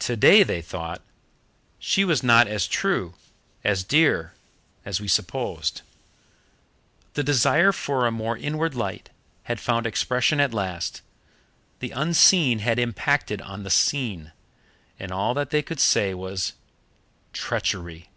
Today they thought: "She was not as true, as dear, as we supposed." The desire for a more inward light had found expression at last, the unseen had impacted on the seen, and all that they could say was "Treachery."